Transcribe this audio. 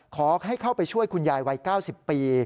ขอให้เข้าไปช่วยคุณยายวัย๙๐ปี